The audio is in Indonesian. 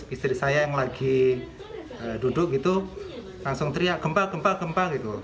istri saya yang lagi duduk gitu langsung teriak gempa gempa gitu